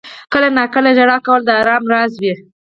• کله ناکله ژړا کول د آرام راز وي.